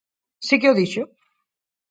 ¿Si que o dixo?